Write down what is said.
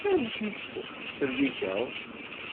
Amek i tt-tettsellikeḍ?